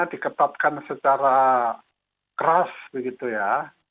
diketatkan secara keras begitu ya